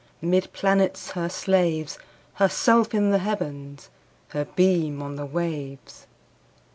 'Mid planets her slaves, Herself in the Heavens, Her beam on the waves.